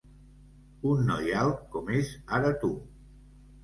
Un noi alt com és ara tu.